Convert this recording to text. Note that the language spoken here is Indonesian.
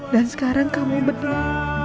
dan sekarang kamu berdua